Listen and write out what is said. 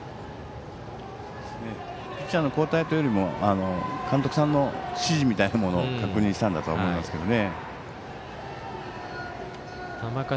ピッチャーの交代というよりも、監督さんの指示を確認したんだと思いますけどね。